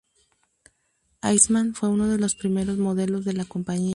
Iceman fue uno de los primeros modelos de la compañía.